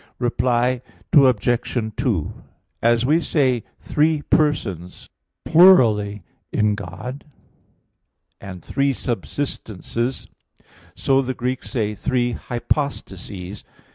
Reply Obj. 2: As we say "three persons" plurally in God, and "three subsistences," so the Greeks say "three hypostases."